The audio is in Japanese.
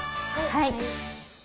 はい。